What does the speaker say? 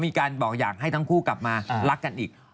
มีการบอกอยากให้ทั้งคู่กลับมารักกันอีก